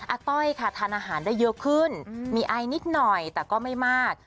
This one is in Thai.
ต้อยค่ะทานอาหารได้เยอะขึ้นมีไอนิดหน่อยแต่ก็ไม่มาก